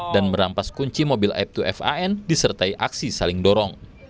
dan merampas kunci mobil aibtu fan disertai aksi saling dorong